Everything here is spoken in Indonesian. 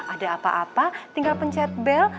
ada apa apa tinggal pencet bel